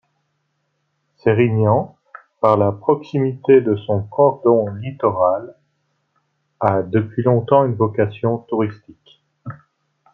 Sérignan, par la proximité de son cordon littoral, a depuis longtemps une vocation touristique.